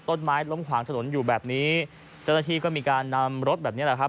ต้นไม้ล้มขวางถนนอยู่แบบนี้เจ้าหน้าที่ก็มีการนำรถแบบนี้แหละครับ